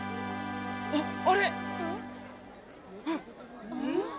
あっあれ！